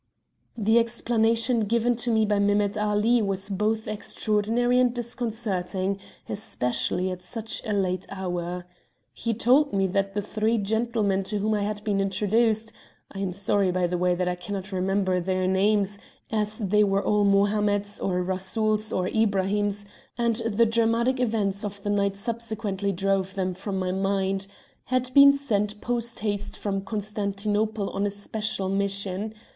"The explanation given to me by Mehemet Ali was both extraordinary and disconcerting, especially at such a late hour. He told me that the three gentlemen to whom I had been introduced I am sorry, by the way, that I cannot remember their names, as they were all Mohammeds, or Rasuls, or Ibrahims, and the dramatic events of the night subsequently drove them from my mind had been sent post haste from Constantinople on a special mission.